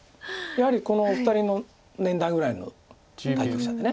やはりこのお二人の年代ぐらいの対局者で。